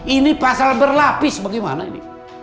ini pasal berlapis bagaimana ini